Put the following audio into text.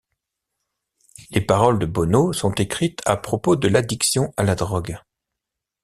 Les paroles de Bono sont écrites à propos de l'addiction à la drogue.